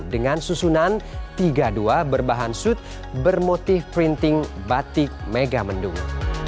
dengan susunan tiga dua berbahan suit bermotif printing batik mega mendung